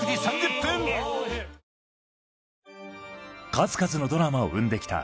数々のドラマを生んできた